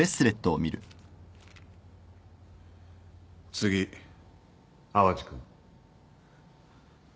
次淡路君。